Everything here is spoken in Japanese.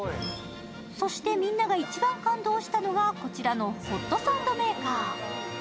そしてみんなが一番感動したのが、こちらのホットサンドメーカー。